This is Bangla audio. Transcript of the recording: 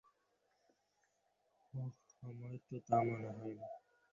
ওহ, আমার তো তা মনে হয় না।